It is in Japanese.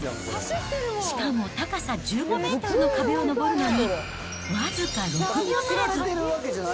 しかも高さ１５メートルの壁を登るのに、僅か６秒足らず。